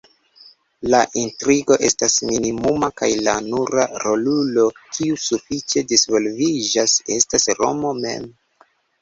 La intrigo estas minimuma, kaj la nura "rolulo" kiu sufiĉe disvolviĝas estas Romo mem.